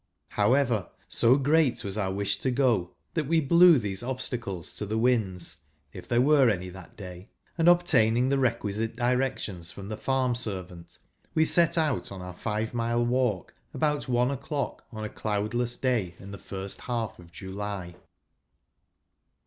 llow evei', so great was our wish to go, that we blew these obstacles tp the winds, if there were any that day ; and, obtaining the re¬ quisite directions from the farm servant, we set out on our five mile walk, about one o'clock on a cloudless day iu the first half of July.